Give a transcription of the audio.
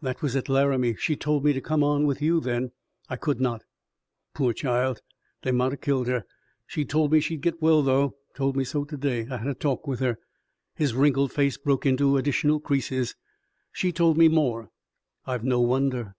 "That was at Laramie. She told me to come on with you then. I could not." "Pore child, they mout 'a' killed her! She told me she'd git well, though told me so to day. I had a talk with her." His wrinkled face broke into additional creases. "She told me more!" "I've no wonder."